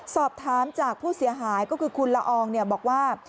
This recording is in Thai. สอบถามจากผู้เสียหายก็คือคุณละอองบอกว่า